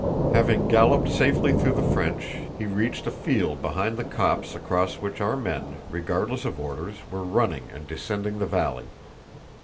Having galloped safely through the French, he reached a field behind the copse across which our men, regardless of orders, were running and descending the valley.